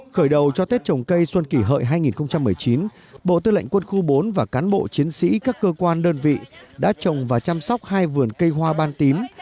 khởi đầu cho tết trồng cây xuân kỷ hợi hai nghìn một mươi chín bộ tư lệnh quân khu bốn và cán bộ chiến sĩ các cơ quan đơn vị đã trồng và chăm sóc hai vườn cây hoa ban tím